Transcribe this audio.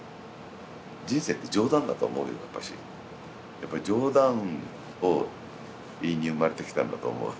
やっぱり冗談を言いに生まれてきたんだと思う。